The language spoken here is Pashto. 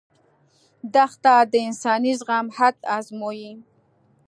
دښته د انساني زغم حد ازمويي.